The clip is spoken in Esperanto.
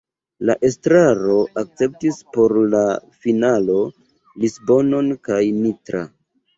La estraro akceptis por la finalo Lisbonon kaj Nitra.